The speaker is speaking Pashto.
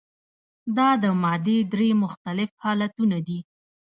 دا د مادې درې مختلف حالتونه دي.